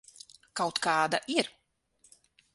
Kaut kāda ir.